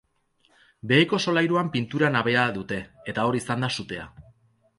Beheko solairuan pintura nabea dute, eta hor izan da sutea.